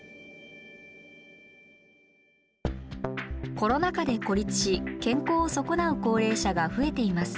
コロナ禍で孤立し健康をそこなう高齢者が増えています。